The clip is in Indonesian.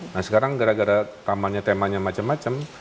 nah sekarang gara gara kamarnya temanya macam macam